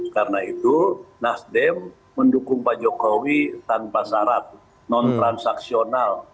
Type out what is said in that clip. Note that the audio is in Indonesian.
karena itu nasdem mendukung pak jokowi tanpa syarat non transaksional